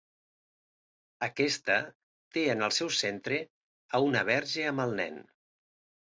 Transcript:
Aquesta té en el seu centre a una verge amb el nen.